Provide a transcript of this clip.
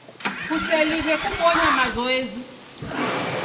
Kuseliw'e kubonya mazoezi.